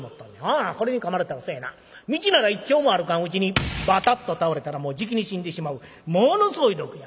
ああこれにかまれたらそやな道なら１町も歩かんうちにバタッと倒れたらもうじきに死んでしまうものすごい毒や。